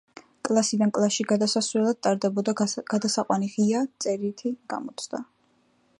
კლასიდან კლასში გადასასვლელად ტარდებოდა გადასაყვანი ღია, წერითი გამოცდა.